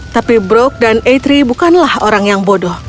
tapi brok dan atri bukanlah orang yang bodoh